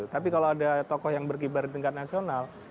tapi kalau ada tokoh yang berkibar di tingkat nasional